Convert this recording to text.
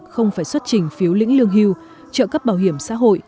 không phải xuất trình phiếu lĩnh lương hưu trợ cấp bảo hiểm xã hội